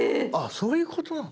⁉そういうことなの？